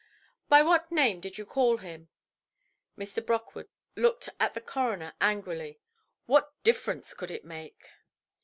"By what name did you call him"? Mr. Brockwood looked at the coroner angrily. What difference could it make?